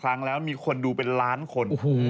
ครั้งแล้วมีคนดูเป็นล้านคน